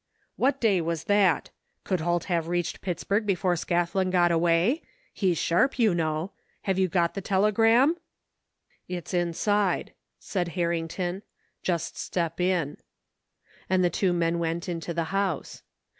" What day was that ? Could Holt have reached Pittsburgh before Scathlin got away? He's sharp you know. Have you got the telegram? " "It's inside," said Harrington. "Just step in." iAnd the two men went Into the house.